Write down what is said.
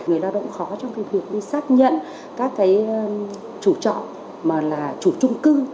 người lao động khó trong việc đi xác nhận các chủ trọng mà là chủ trung cư